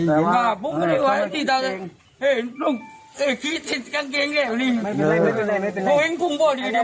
โอ้เอ็งกุ้งบ่อดีเดี๋ยวมันไงออกไปนึงนึงนึง